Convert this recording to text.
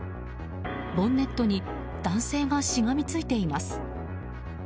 ボンネットに男性がしがみついています。